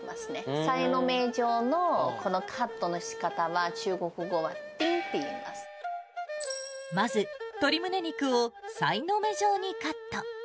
さいの目状のこのカットのしかたは、まず、鶏むね肉をさいの目状にカット。